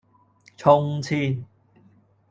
從前